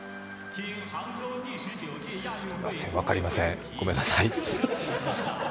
すいません、分かりません、ごめんなさい。